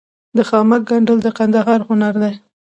د خامک ګنډل د کندهار هنر دی.